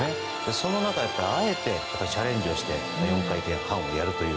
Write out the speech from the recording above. その中、あえてチャレンジをして４回転半をやるという。